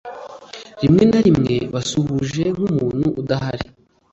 rimwe na rimwe wasuhuje nk'umuntu udahari